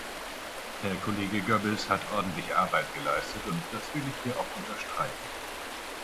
Herr Kollege Goebbels hat ordentliche Arbeit geleistet, und das will ich hier auch unterstreichen.